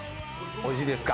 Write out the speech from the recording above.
おいしいですか？